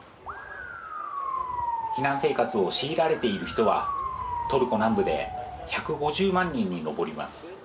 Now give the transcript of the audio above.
避難生活を強いられている人はトルコ南部で１５０万人に上ります。